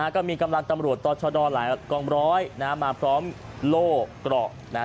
ก็มีกำลังตำรวจต่อช่อดอลหลายกล้องบร้อยมาพร้อมโลกเกราะ